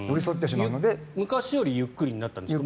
昔よりもゆっくりになったんですよね。